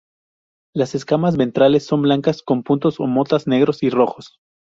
Las escamas ventrales son blancas con puntos o motas negros y rojos.